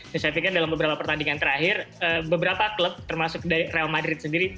saya pikir dalam beberapa pertandingan terakhir beberapa klub termasuk real madrid sendiri